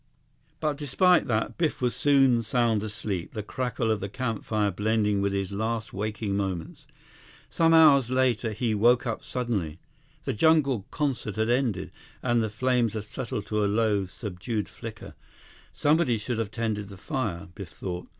But despite that, Biff was soon sound asleep, the crackle of the campfire blending with his last waking moments. Some hours later, he woke up suddenly. The jungle concert had ended, and the flames had settled to a low, subdued flicker. Somebody should have tended the fire, Biff thought.